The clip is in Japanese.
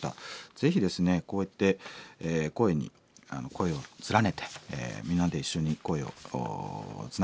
ぜひですねこうやって声に声を連ねてみんなで一緒に声をつなげていきましょう。